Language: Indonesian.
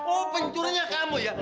oh pencurinya kamu ya